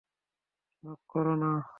Knock কোরো না।